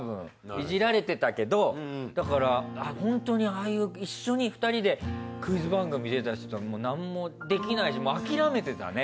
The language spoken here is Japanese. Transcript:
いじられてたけどだからホントにああいう一緒に２人でクイズ番組出たりするとなんもできないしもう諦めてたね。